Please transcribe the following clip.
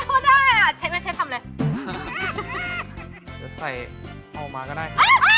อ้าวเหมือนมันมันเยอะมาได้อ่ะเช่นทำเลย